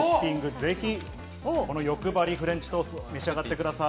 ぜひ、この欲張りフレンチトースト召し上がってください。